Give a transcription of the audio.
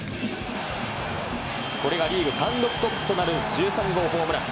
これがリーグ単独トップとなる１３号ホームラン。